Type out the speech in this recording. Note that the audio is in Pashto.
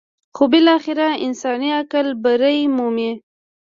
خو بالاخره انساني عقل برۍ مومي.